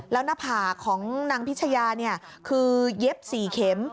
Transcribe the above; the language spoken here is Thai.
แล้วหน้าผากของนางพิชยาคือเย็บ๔เข็ม